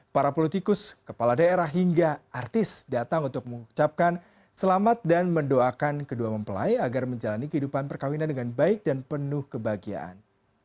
para politikus kepala daerah hingga artis datang untuk mengucapkan selamat dan mendoakan kedua mempelai agar menjalani kehidupan perkawinan dengan baik dan penuh kebahagiaan